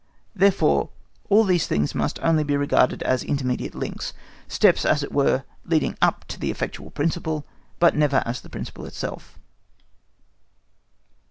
Therefore all these things must only be regarded as intermediate links, steps, as it were, leading up to the effectual principle, but never as that principle itself.